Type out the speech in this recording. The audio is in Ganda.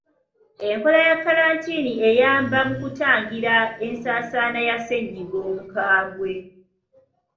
Enkola ya kkalantiini eyamba mu kutangira ensaasaana ya ssennyiga omukambwe.